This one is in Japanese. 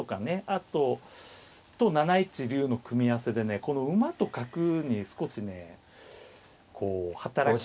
あと７一竜の組み合わせでねこの馬と角に少しねこう働きかけて。